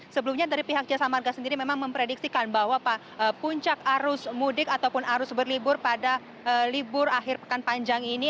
sebelumnya dari pihak jasa marga sendiri memang memprediksikan bahwa puncak arus mudik ataupun arus berlibur pada libur akhir pekan panjang ini